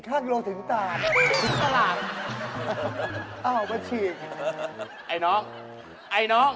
อ้าวมาฉีก